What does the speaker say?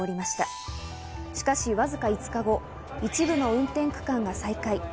しかし、わずか５日後、一部の運転区間が再開。